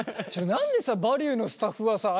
何でさ「バリュー」のスタッフはさあ